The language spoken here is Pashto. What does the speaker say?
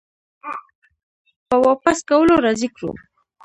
په واپس کولو راضي کړو